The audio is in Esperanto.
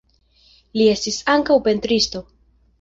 Li estis ankaŭ pentristo.